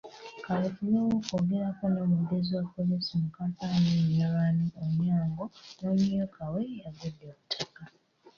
Kaweefube okwogerako n'Omwogezi wa poliisi mu Kampala n'emirilaano, Onyango n'omumyuka we, yagudde butaka.